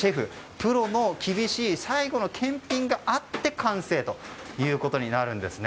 プロの厳しい最後の検品があって完成ということになるんですね。